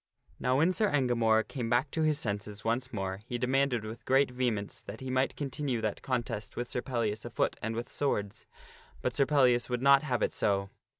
Now when Sir Engamore came back unto his senses once more, he demanded with great vehemence that he might continue that contest with Sir Pellias afoot and with swords. But Sir Pellias would not have it so.